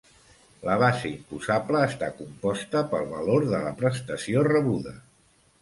La base imposable està composta pel valor de la prestació rebuda.